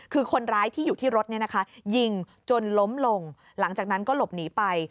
คือคนร้ายที่อยู่ที่รถยิงจนล้มลงหลังจากนั้นก็หลบหนีไป